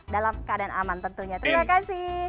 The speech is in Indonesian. dalam keadaan aman tentunya terima kasih